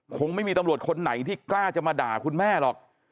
คงไม่มีตำรวจคนไหนที่กล้าจะมาด่าคุณแม่หรอก